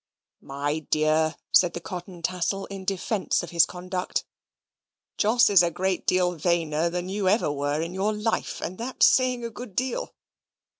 "My dear," said the cotton tassel in defence of his conduct, "Jos is a great deal vainer than you ever were in your life, and that's saying a good deal.